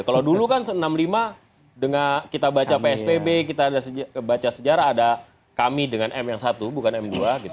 kalau dulu kan enam puluh lima kita baca psbb kita ada baca sejarah ada kami dengan m yang satu bukan m dua